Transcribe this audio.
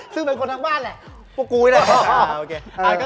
ซึ่งเป็นคนทั้งบ้านแหละพวกกูนี่แหละ